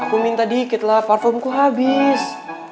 aku minta dikit lah parfumku habis